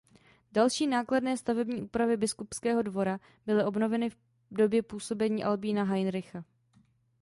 Další nákladné stavební úpravy Biskupského dvora byly obnoveny v době působení Albína Heinricha.